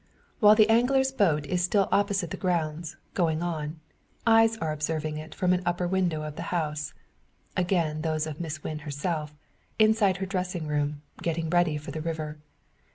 While the anglers boat is still opposite the grounds, going on, eyes are observing it from an upper window of the house; again those of Miss Wynn herself, inside her dressing room, getting ready for the river.